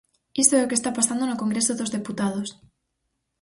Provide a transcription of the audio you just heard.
Iso é o que está pasando no Congreso dos Deputados.